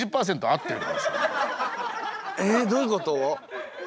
えっどういうこと？